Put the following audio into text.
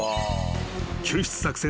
［救出作戦